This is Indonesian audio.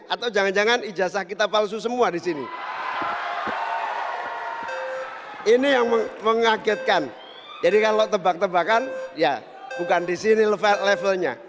atau jangan jangan ijazah kita palsu semua di sini ini yang mengagetkan jadi kalau tebak tebakan ya bukan di sini levelnya